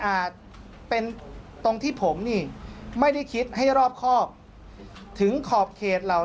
อาจเป็นตรงที่ผมนี่ไม่ได้คิดให้รอบครอบถึงขอบเขตเหล่า